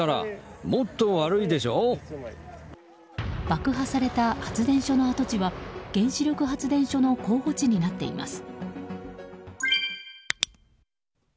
爆破された発電所の跡地は原子力発電所の候補地になっています。